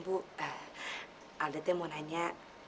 ibu kok lanjut main klubanya